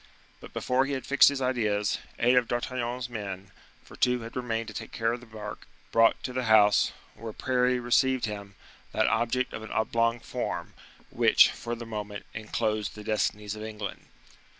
But before he had fixed his ideas, eight of D'Artagnan's men, for two had remained to take care of the bark, brought to the house, where Parry received him, that object of an oblong form, which, for the moment, inclosed the destinies of England.